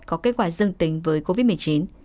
có kết quả dương tính với covid một mươi chín